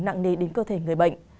nặng nề đến cơ thể người bệnh